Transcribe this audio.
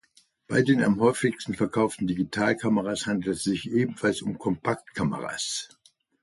Bei den am häufigsten verkauften Digitalkameras handelt es sich ebenfalls um Kompaktkameras.